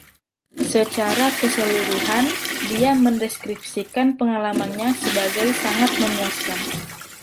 Secara keseluruhan, dia mendeskripsikan pengalamannya sebagai 'sangat memuaskan'.